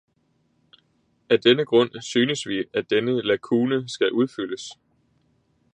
Af denne grund synes vi, at denne lakune skal udfyldes.